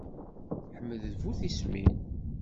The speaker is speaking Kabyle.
Ḥmed d bu tismin.